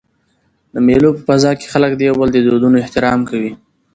د مېلو په فضا کښي خلک د یو بل د دودونو احترام کوي.